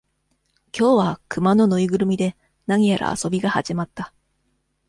今日は、熊の縫いぐるみで、何やら遊びが始まった。